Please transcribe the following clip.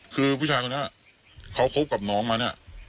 คือผู้ชายคนนี้เขาคบกับน้องมาเนี่ย